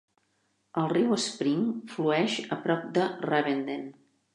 El riu Spring flueix a prop de Ravenden.